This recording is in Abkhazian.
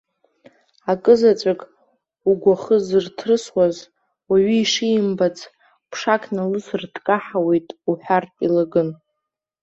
Акы заҵәык угәахы зырҭрысуаз, уаҩы ишимбац, ԥшак налысыр дкаҳауеит уҳәартә, илыгын.